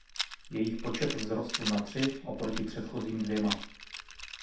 Jejich počet vzrostl na tři oproti předchozím dvěma.